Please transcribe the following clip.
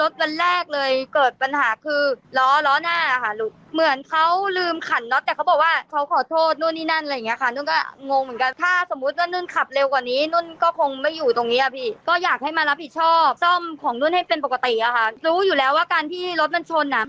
เจ้าของอุทิซ่าผิดชอบซ่อมของนุ่นให้เป็นปกติอะค่ะรู้อยู่แล้วว่าการที่รถมันชนอ่ะ